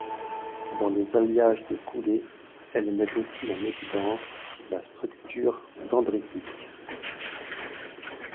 Dans les alliages de coulée, elle met aussi en évidence la structure dendritique.